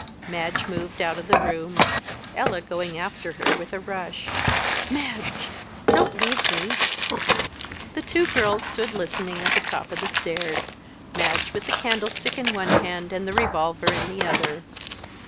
Madge moved out of the room, Ella going after her with a rush. "Madge! don't leave me!" The two girls stood listening at the top of the stairs Madge with the candlestick in one hand, and the revolver in the other.